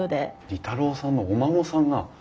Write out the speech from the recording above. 利太郎さんのお孫さんが。